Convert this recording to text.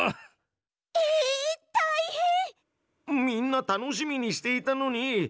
みんな楽しみにしていたのに。